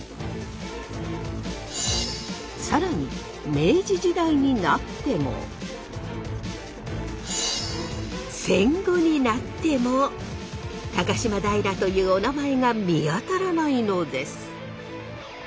更に明治時代になっても戦後になっても高島平というおなまえが見当たらないのです。